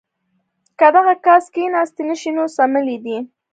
کۀ دغه کس کښېناستے نشي نو څملي دې